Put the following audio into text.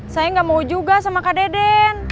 saya nggak mau juga sama kak deden